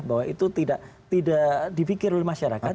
bahwa itu tidak dipikir oleh masyarakat